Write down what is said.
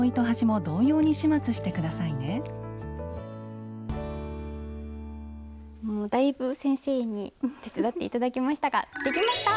もうだいぶ先生に手伝って頂きましたができました！